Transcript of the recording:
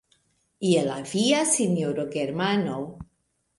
Je la via, sinjoro Germano!